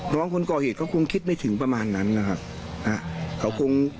คนก่อเหตุก็คงคิดไม่ถึงประมาณนั้นนะครับ